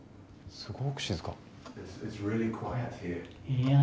すごく静か。